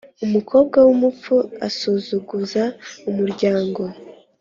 Umukobwa w’umupfu asuzuguza umuryango.